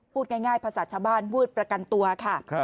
พูดง่ายภาษาชาวบ้านวืดประกันตัวค่ะ